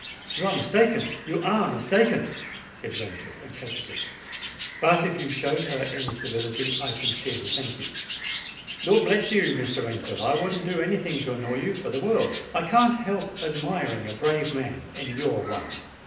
"You are mistaken—you are mistaken," said Rainford, emphatically. "But, if you showed her any civility, I sincerely thank you——" "Lord bless you! Mr. Rainford—I wouldn't do any thing to annoy you for the world. I can't help admiring a brave man—and you're one.